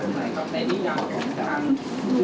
เพราะฉะนั้นคือว่าเราในกรณีนี้